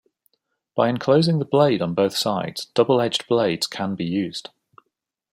By enclosing the blade on both sides, double edged blades can be used.